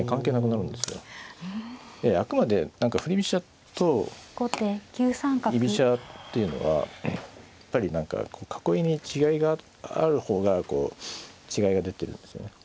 あくまで何か振り飛車と居飛車っていうのはやっぱり何か囲いに違いがある方がこう違いが出てるんですよね。